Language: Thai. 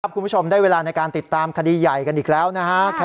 คุณผู้ชมได้เวลาในการติดตามคดีใหญ่กันอีกแล้วนะฮะ